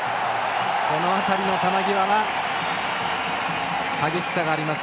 この辺りの球際は激しさがあります。